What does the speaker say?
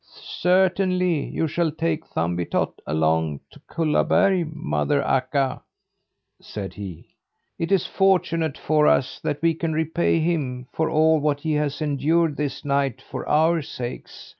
"Certainly you shall take Thumbietot along to Kullaberg, mother Akka," said he. "It is fortunate for us that we can repay him for all that he has endured this night for our sakes.